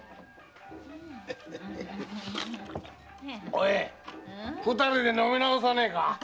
おえん二人で飲み直さねえか？